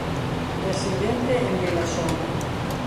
Residente en Vilaxoán.